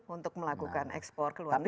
untuk melakukan ekspor ke luar negeri